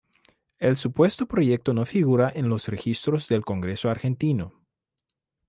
El supuesto proyecto no figura en los registros del Congreso Argentino.